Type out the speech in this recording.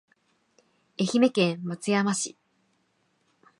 愛媛県松山市